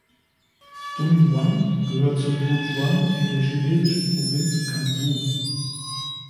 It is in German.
Dunhuang gehört zu Jiuquan in der chinesischen Provinz Gansu.